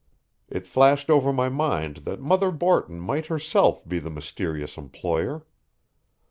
It flashed over my mind that Mother Borton might herself be the mysterious employer.